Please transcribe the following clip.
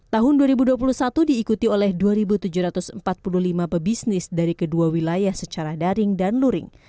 tahun dua ribu dua puluh satu diikuti oleh dua tujuh ratus empat puluh lima pebisnis dari kedua wilayah secara daring dan luring